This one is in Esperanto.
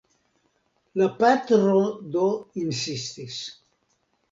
La patro do insistis.